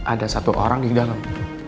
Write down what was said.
ada satu orang di dalam